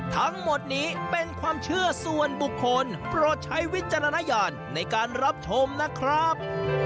ทั้งหมดนี้เป็นความเชื่อส่วนบุคคลโปรดใช้วิจารณญาณในการรับชมนะครับ